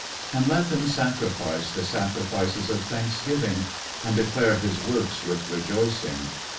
19:107:022 And let them sacrifice the sacrifices of thanksgiving, and declare his works with rejoicing.